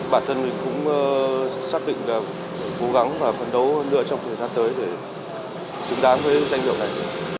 bản thân mình cũng xác định là cố gắng và phấn đấu hơn nữa trong thời gian tới